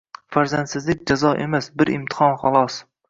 Farzandsizlik jazo emas, bir imtihon, xolos.